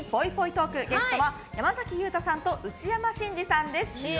トークゲストは山崎裕太さんと内山信二さんです。